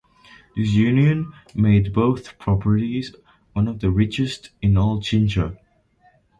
This union made both properties one of the richest in all Chincha.